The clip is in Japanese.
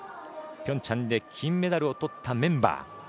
ピョンチャンで金メダルをとったメンバー。